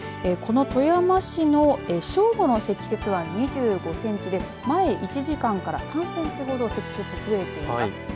この富山市の正午の積雪は２５センチで前１時間から３センチほど積雪、増えています。